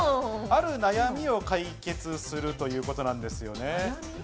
ある悩みを解決するということなんですよね。